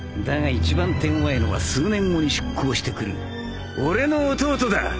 だが一番手ごわいのは数年後に出航してくる俺の弟だ！